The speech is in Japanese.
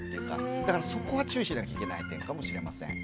だからそこは注意しなきゃいけない点かもしれません。